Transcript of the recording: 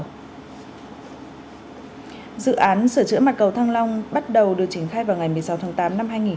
dự án sửa chữa mặt cầu thăng long bắt đầu được triển khai vào ngày một mươi sáu tháng một